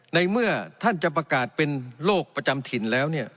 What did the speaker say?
ในเมื่อท่านจะประกาศเป็นโรคประจำถิ่นแล้วเนี่ย